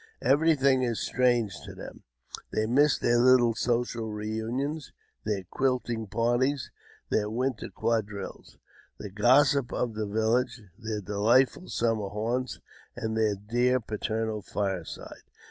Everything ,is strange to them. They miss their little social reunions, their quilting parties, their winter quadrilles, the gossip of the village, their de lightful summer haunts, and their dear paternal fireside.